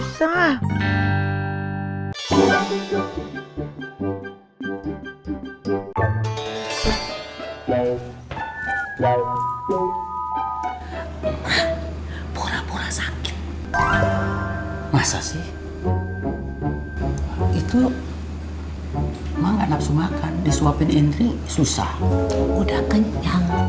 maaf pora pora sakit masa sih itu emang enggak nafsu makan di suapin ini susah udah kenyang